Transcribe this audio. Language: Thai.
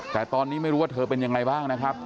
แต่ตอนนี้ไม่รู้ว่าเธอเป็นยังไงบ้างนะครับ